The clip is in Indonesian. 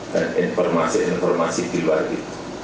dan informasi informasi di luar itu